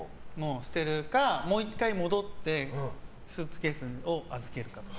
捨てるかもう１回戻ってスーツケースに預けるかとか。